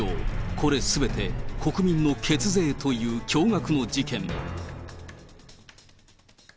これすべて、国民の血税という驚がくの事件。